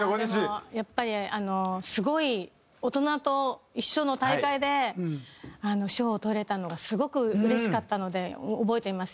でもやっぱりあのすごい大人と一緒の大会で賞をとれたのがすごくうれしかったので覚えています